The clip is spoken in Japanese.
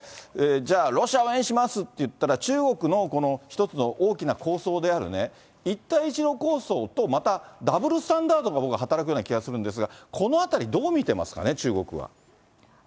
ですから、全面的にね、これ、じゃあ、ロシア応援しますって言ったら、中国のこの一つの大きな構想であるね、一帯一路構想とまたダブルスタンダードが僕は働くような気がするんですが、このあたりどう見てますかね、中国は。